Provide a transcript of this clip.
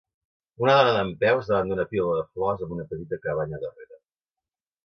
Una dona dempeus davant d'una pila de flors amb una petita cabanya darrere.